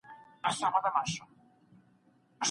پوښتنه وکړئ چي څه غواړم.